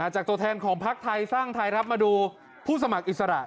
จากตัวแทนของภาคไทยสร้างไทยมาดูผู้สมัครอิสระ